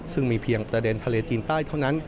ซึ่งมีเพียงประเด็นทะเลจีนใต้เท่านั้น